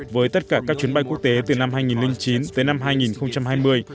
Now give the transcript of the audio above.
với tất cả các chuyến bay quốc tế từ năm hai nghìn chín tới năm hai nghìn hai mươi